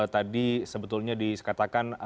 tadi sebetulnya dikatakan